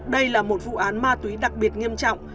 đây là một vụ án ma túy đặc biệt nghiêm trọng